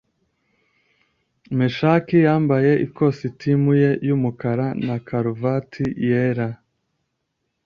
Meshaki yambaye ikositimu ye y'umukara na karuvati yera.